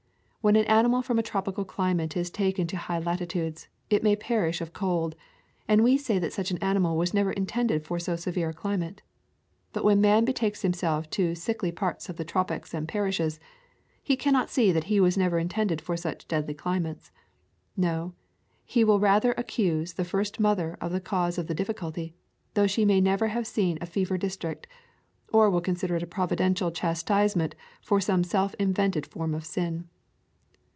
When an animal from a tropical climate is taken to high latitudes, it may perish of cold, and we say that such an animal was never in tended for so severe a climate. But when man betakes himself to sickly parts of the tropics and perishes, he cannot see that he was never intended for such deadly climates. No, he will rather accuse the first mother of the cause of the difficulty, though she may never have seen a fever district; or will consider it a providen tial chastisement for some self invented form of sin.